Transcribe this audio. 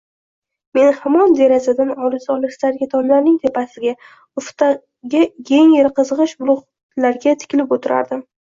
Men hamon derazadan olis-olislarga, tomlarning tepasiga, ufqdagi yengil qizgʻish bulutlarga tikilib oʻtirardim